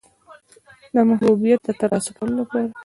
د محبوبیت د ترلاسه کولو لپاره.